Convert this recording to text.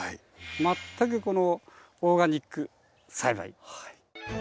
全くオーガニック栽培。